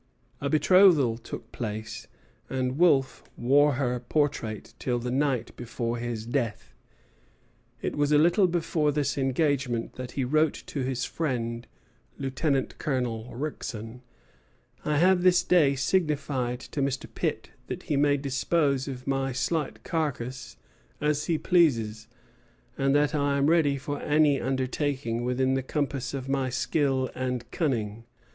A betrothal took place, and Wolfe wore her portrait till the night before his death. It was a little before this engagement that he wrote to his friend Lieutenant Colonel Rickson: "I have this day signified to Mr. Pitt that he may dispose of my slight carcass as he pleases, and that I am ready for any undertaking within the compass of my skill and cunning.